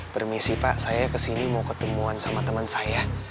namanya pak saya kesini mau ketemuan sama temen saya